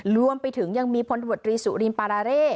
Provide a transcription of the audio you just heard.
รวมไปถึงยังมีพลตำรวจรีสุรินปาราเร่